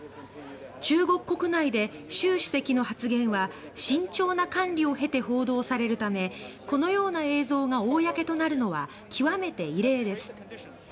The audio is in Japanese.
中国国内で習主席の発言は慎重な管理を経て報道されるためこのような映像が公となるのは極めて異例です。